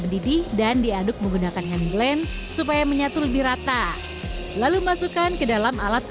mendidih dan diaduk menggunakan hand glenn supaya menyatu lebih rata lalu masukkan ke dalam alat